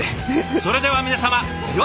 それでは皆様よいお年を。